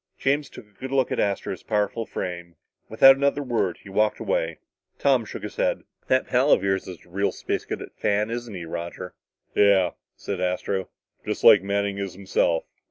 James took a good look at Astro's powerful frame. Without another word he walked away. Tom shook his head. "That pal of yours is a real Space Cadet fan, isn't he, Roger?" "Yeah," said Astro. "Just like Manning is himself."